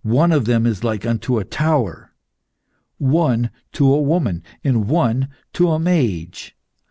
One of them is like unto a tower, one to a woman, and one to a mage.